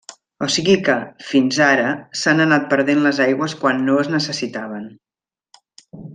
O sigui que, fins ara s'han anat perdent les aigües quan no es necessitaven.